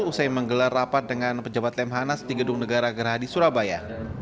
usai menggelar rapat dengan pejabat lemhanas di gedung negara gerhadi surabaya